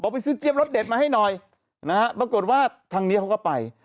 ไปซื้อเจี๊ยรสเด็ดมาให้หน่อยนะฮะปรากฏว่าทางนี้เขาก็ไป